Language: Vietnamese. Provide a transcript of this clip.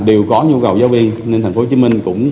đều có nhu cầu giáo viên nên thành phố hồ chí minh cũng